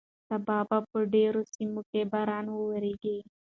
سبا به په ډېرو سیمو کې باران وورېږي.